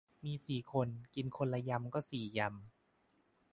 มีสี่คน กินคนละยำก็สี่ยำ